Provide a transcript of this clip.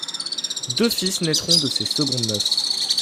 Deux fils naîtront de ces secondes noces.